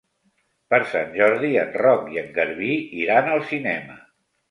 Per Sant Jordi en Roc i en Garbí iran al cinema.